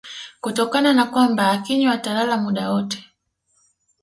kutokana na kwamba akinywa atalala muda wote